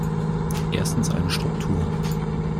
Erstens eine Struktur.